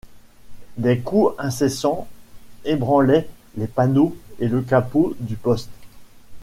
Des coups incessants ébranlaient les panneaux et le capot du poste.